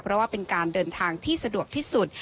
เพราะว่าเป็นการเดินทางที่สะดวกที่สุด